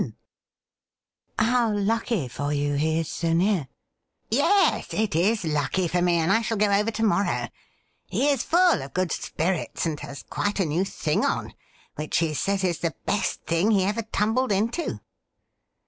86 THE RIDDLE RING ' How lucky for you he is so near f ' Yes, it is lucky for me, and I shall go over to morrow. He is full of good spirits, and has quite a new thing on, which he says is the best thing he ever tumbled into.'